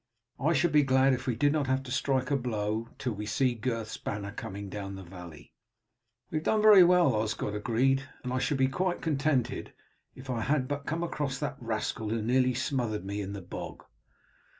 I should be glad if we did not have to strike a blow till we see Gurth's banner coming down the valley." "We have done very well," Osgod agreed; "and I should be quite contented if I had but come across that rascal who nearly smothered me in the bog."